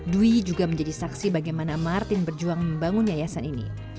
dwi juga menjadi saksi bagaimana martin berjuang membangun yayasan ini